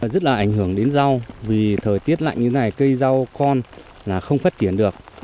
rất là ảnh hưởng đến rau vì thời tiết lạnh như thế này cây rau con là không phát triển được